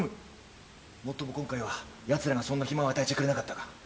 もっとも今回はやつらがそんな暇を与えちゃくれなかったが。